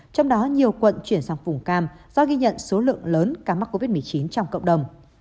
trong đó nhiều quận chuyển sang vùng cam do ghi nhận số lượng lớn ca mắc covid một mươi chín trong cộng đồng